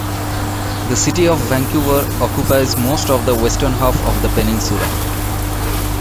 The City of Vancouver occupies most of the western half of the peninsula.